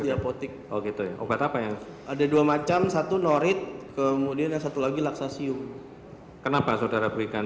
di apotik obat apa yang ada dua macam satu norit kemudian yang satu lagi laksasium kenapa saudara berikan